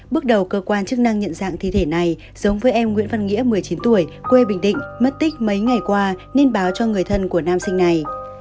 bước đầu cơ quan chức năng nhận dạng thi thể này giống với em nguyễn văn nghĩa một mươi chín tuổi quê bình định mất tích mấy ngày qua nên báo cho người thân của nam sinh này